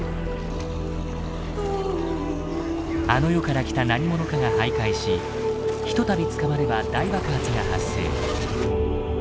あの世から来た何ものかが徘徊しひとたび捕まれば大爆発が発生。